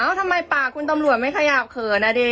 เอ้าทำไมปากคุณตำรวจไม่ขยับเขินนาเด